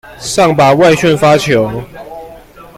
上吧，外旋發球